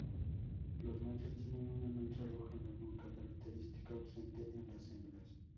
Los machos tienen una mancha roja en la nuca, característica ausente en las hembras.